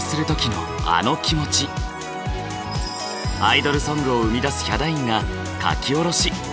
更にアイドルソングを生み出すヒャダインが書き下ろし。